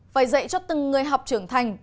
phải dạy cho từng người học trưởng thành